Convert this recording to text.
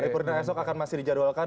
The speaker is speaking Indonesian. pari purnia esok akan masih dijadwalkan